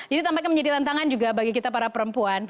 ini tampaknya menjadi tantangan juga bagi kita para perempuan